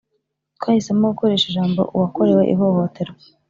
twahisemo gukoresha ijambo uwakorewe ihohoterwa